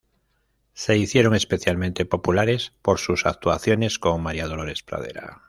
Se hicieron especialmente populares por sus actuaciones con María Dolores Pradera.